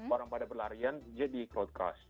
orang pada berlarian jadi crowd crush